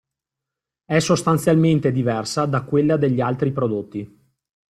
È sostanzialmente diversa da quella degli altri prodotti.